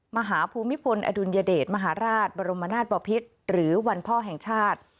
ภูมิพลอดุลยเดชมหาราชบรมนาศบพิษหรือวันพ่อแห่งชาติ